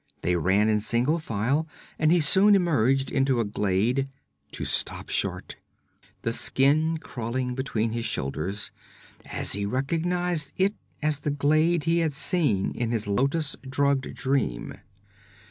They ran in single file, and he soon emerged into a glade to stop short, the skin crawling between his shoulders as he recognized it as the glade he had seen in his lotus drugged dream.